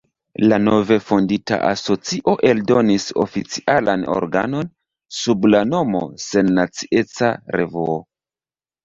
La nove fondita asocio eldonis oficialan organon, sub la nomo "Sennacieca Revuo".